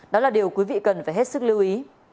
đó là điều quý vị cần phải hết sức lưu ý